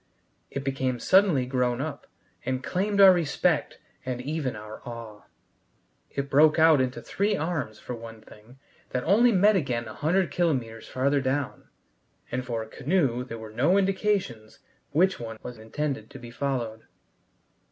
It became suddenly grown up, and claimed our respect and even our awe. It broke out into three arms, for one thing, that only met again a hundred kilometers farther down, and for a canoe there were no indications which one was intended to be followed.